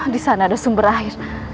di sana ada sumber air